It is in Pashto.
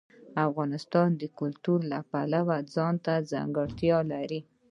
افغانستان د کلتور د پلوه ځانته ځانګړتیا لري.